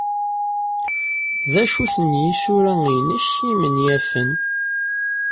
D acu-ten yisura-inek imenyafen?